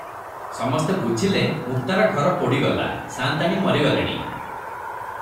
ସମସ୍ତେ ବୁଝିଲେ, ମୁକ୍ତାର ଘର ପୋଡ଼ିଗଲା, ସାଆନ୍ତାଣୀ ମରିଗଲେଣି ।